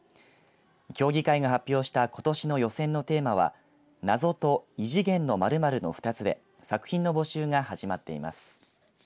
協議会が発表したことしの予選のテーマはナゾと異次元の○○の２つで作品の募集が始まっています。